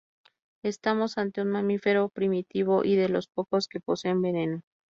Estamos ante un mamífero primitivo, y de los pocos que poseen veneno.